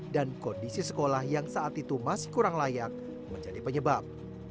dan kondisi sekolah yang saat itu masih kurang layak menjadi penyebab